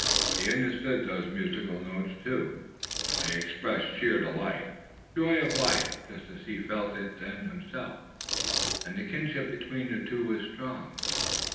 He understood those musical notes too. They expressed sheer delight, the joy of life just as he felt it then himself, and the kinship between the two was strong.